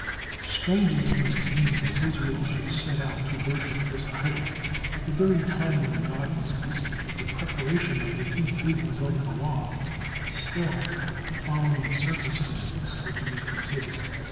Strange as it may seem that Israel should set out to worship this idol at the very time when God was busied with the preparation of the two tables of the law, still the following circumstances are to be considered.